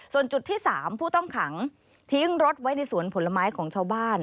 ส่วนจุดที่๓ผู้ต้องขังทิ้งรถไว้ในสวนผลไม้ของชาวบ้าน